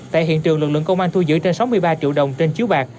tại hiện trường lực lượng công an thu giữ trên sáu mươi ba triệu đồng trên chiếu bạc